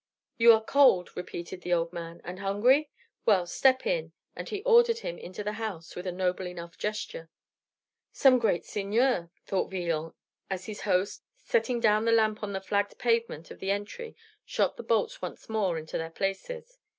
"You are cold," repeated the old man, "and hungry? Well, step in." And he ordered him into the house with a noble enough gesture. "Some great seigneur," thought Villon, as his host, setting down the lamp on the flagged pavement of the entry, shot the bolts once more into their places.